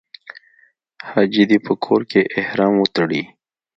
حاجي دې په کور کې احرام وتړي.